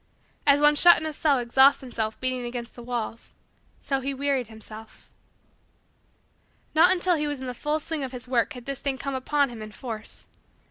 As one shut in a cell exhausts himself beating against the walls, so he wearied himself. Not until he was in the full swing of his work had this thing come upon him in force.